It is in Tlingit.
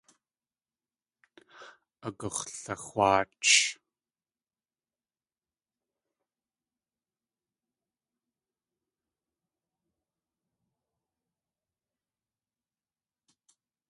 Agux̲laxwáach.